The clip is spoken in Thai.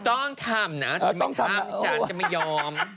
ต้องทำนะถ้าไม่ทำจานจะไม่ยอม